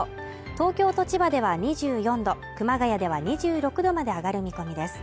東京と千葉では２４度熊谷では２６度まで上がる見込みです。